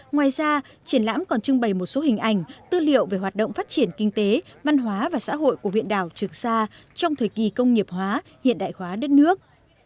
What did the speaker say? ngoài ra triển lãm còn trưng bày một số hình ảnh tư liệu về hoạt động phát triển kinh tế văn hóa và xã hội của huyện đảo trường sa trong thời kỳ công nghiệp hóa hiện đại hóa đất nước